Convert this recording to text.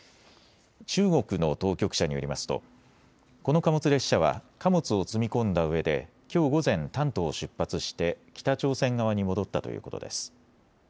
中国の当局者によりますとこの貨物列車は貨物を積み込んだうえできょう午前、丹東を出発して北朝鮮側に戻ったということです。